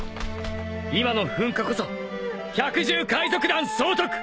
今の噴火こそ百獣海賊団総督